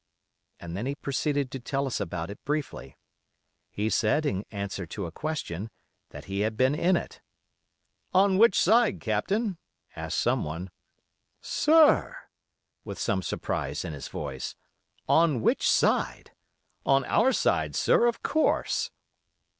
And then he proceeded to tell us about it briefly. He said, in answer to a question, that he had been in it. 'On which side, Captain?' asked someone. 'Sir!' with some surprise in his voice. 'On which side?' 'On our side, sir, of course.